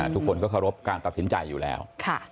ทุกคนก็เคารพการตัดสินใจอยู่แล้ว